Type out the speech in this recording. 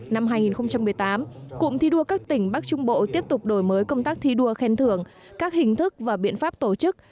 năm hai nghìn một mươi tám cụm thi đua các tỉnh bắc trung bộ tiếp tục đổi mới công tác thi đua khen thưởng các hình thức và biện pháp tổ chức